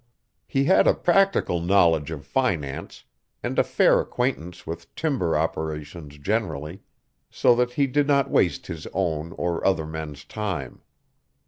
He had a practical knowledge of finance, and a fair acquaintance with timber operations generally, so that he did not waste his own or other men's time.